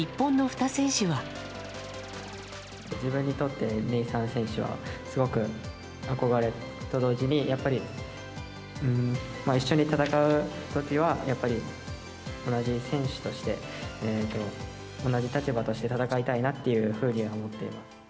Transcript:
自分にとって、ネイサン選手は、すごく憧れと同時に、やっぱり、一緒に戦うときは、やっぱり同じ選手として、同じ立場として戦いたいなっていうふうには思ってます。